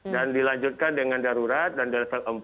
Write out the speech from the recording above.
dan dilanjutkan dengan darurat dan level empat